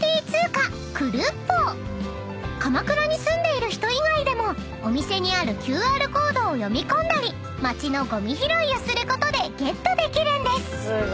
［鎌倉に住んでいる人以外でもお店にあるＱＲコードを読み込んだり町のごみ拾いをすることでゲットできるんです］